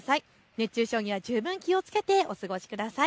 熱中症には十分気をつけてお過ごしください。